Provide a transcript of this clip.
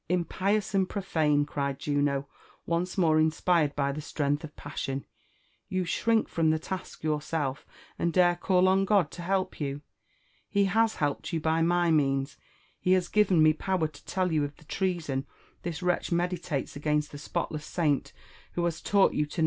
" Impious and pi^ofane!" cried Juno, on^e more inspired by the strength of passion —*' you shrink from the task yourself, and dare call 00 God to help you I — He has helped you by my means, — he has given me power to tell you of the treason this wretch meditates against the spotless saint who has taught you to